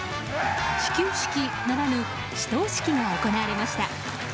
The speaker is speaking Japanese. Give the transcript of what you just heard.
始球式なら始投式が行われました。